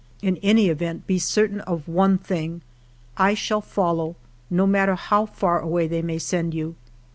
In any event, be certain of one thing, — I shall fol low, no matter how far away they may send you.